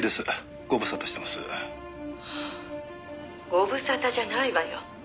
「ご無沙汰じゃないわよ」